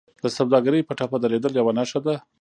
د سوداګرۍ په ټپه درېدل یوه نښه ده